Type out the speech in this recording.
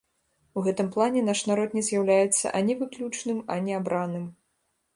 У гэтым плане наш народ не з'яўляецца ані выключным, ані абраным.